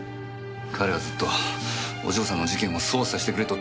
彼はずっとお嬢さんの事件を捜査してくれと頼んでた。